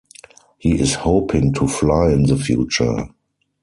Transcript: He is hoping to fly in the future.